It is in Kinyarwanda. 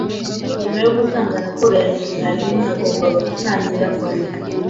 Nyuma yo gutanga raporo yanjye mwarimu, nagombaga gutangira kwandika indi.